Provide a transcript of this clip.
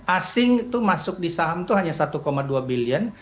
asing itu masuk di saham itu hanya satu dua billion